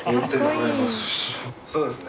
そうですね